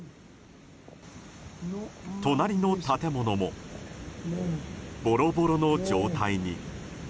隣の建物もボロボロの状態に。